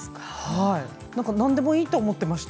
何でもいいと思っていました